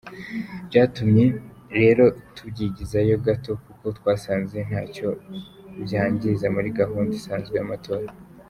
Byatumye rero tubyigizayo gato kuko twasanze ntacyo byangiza muri gahunda isanzwe y’amatora.